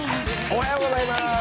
おはようございます。